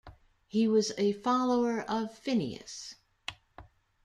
He was follower of Phineus.